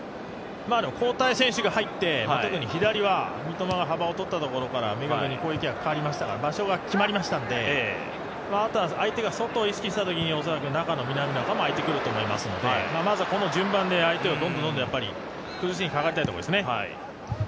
交替選手が入って特に左は三笘が幅を取ったところからみるみる攻撃が変わりましたから場所が決まりましたので相手が外を意識したときに中の南野もあいてくると思いますので、まずはこの順番で相手をどんどん崩しにかかりたいところですね。